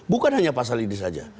bukan hanya pasal ini saja